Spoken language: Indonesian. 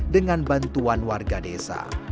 dengan bantuan warga desa